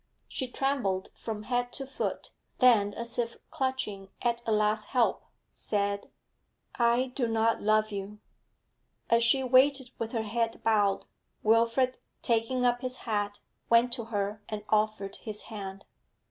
She trembled from head to foot; then, as if clutching at a last help, said: 'I do not love you.' And she waited with her head bowed. Wilfrid, taking up his hat, went to her and offered his hand.